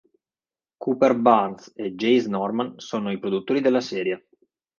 Cooper Barnes e Jace Norman sono i produttori della serie.